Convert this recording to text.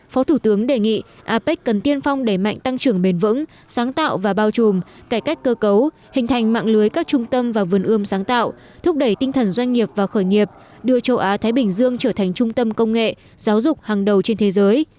phó thủ tướng đề nghị apec cần tiên phong đẩy mạnh tăng trưởng bền vững sáng tạo và bao trùm cải cách cơ cấu hình thành mạng lưới các trung tâm và vườn ươm sáng tạo thúc đẩy tinh thần doanh nghiệp và khởi nghiệp đưa châu á thái bình dương trở thành trung tâm công nghệ giáo dục hàng đầu trên thế giới